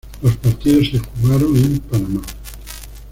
Los partidos se jugaron en Panamá.